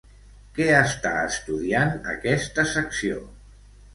Què està estudiant aquesta secció?